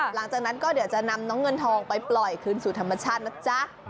หลังจากนั้นก็เดี๋ยวจะนำน้องเงินทองไปปล่อยคืนสู่ธรรมชาตินะจ๊ะ